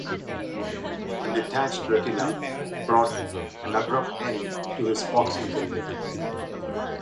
A detached retina brought an abrupt end to his boxing career.